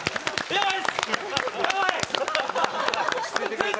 やばい。